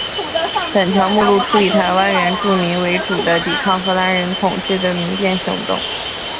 本条目列出以台湾原住民为主的抵抗荷兰人统治的民变行动。